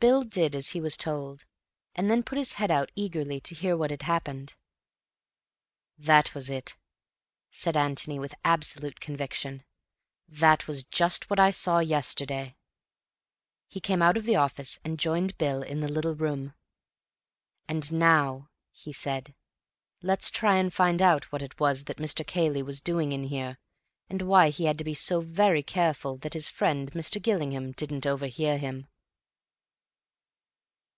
Bill did as he was told, and then put his head out eagerly to hear what had happened. "That was it," said Antony, with absolute conviction. "That was just what I saw yesterday." He came out of the office, and joined Bill in the little room. "And now," he said, "let's try and find out what it was that Mr. Cayley was doing in here, and why he had to be so very careful that his friend Mr. Gillingham didn't overhear him."